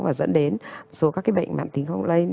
và dẫn đến số các cái bệnh mặn thì không lây